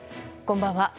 こんばんは。